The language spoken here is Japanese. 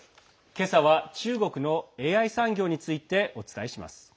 今朝は、中国のＡＩ産業についてお伝えします。